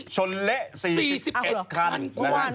ชนดะ๔๑คัน